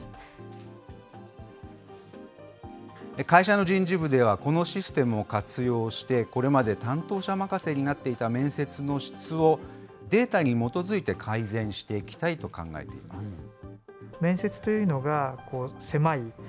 会社の人事部では、このシステムを活用して、これまで担当者任せになっていた面接の質を、データに基づいて改善していきたいと考えています。